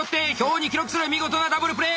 見事なダブルプレー！